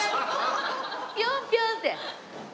ピョンピョンって。